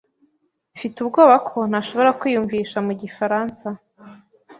Mfite ubwoba ko ntashobora kwiyumvisha mu gifaransa.